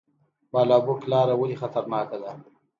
بالابلوک لاره ولې خطرناکه ده؟